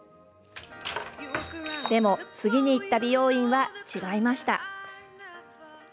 でも、次に行った美容院は違いました。